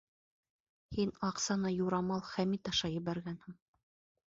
Һин аҡсаны юрамал Хәмит аша ебәргәнһең.